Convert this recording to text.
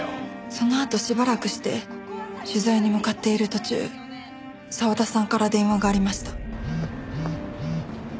そのあとしばらくして取材に向かっている途中澤田さんから電話がありました。